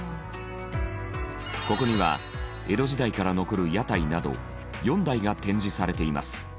ここには江戸時代から残る屋台など４台が展示されています。